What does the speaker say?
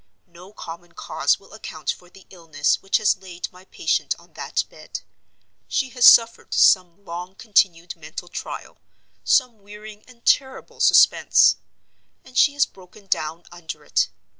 No common cause will account for the illness which has laid my patient on that bed. She has suffered some long continued mental trial, some wearing and terrible suspense—and she has broken down under it.